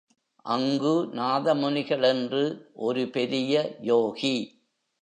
அங்கு நாதமுனிகள் என்று ஒரு பெரிய யோகி.